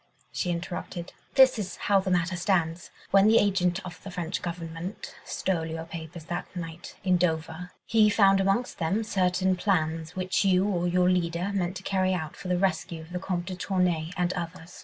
she interrupted. "This is how the matter stands. When the agent of the French Government stole your papers that night in Dover, he found amongst them certain plans, which you or your leader meant to carry out for the rescue of the Comte de Tournay and others.